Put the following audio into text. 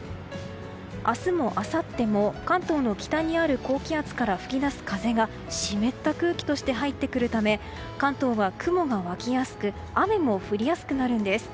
明日もあさっても関東の北にある高気圧から吹き出す風が湿った空気として入ってくるため関東は雲が湧きやすく雨も降りやすくなるんです。